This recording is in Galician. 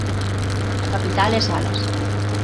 A capital é Salas.